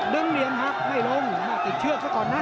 เหลี่ยมหักไม่ลงมาติดเชือกซะก่อนนะ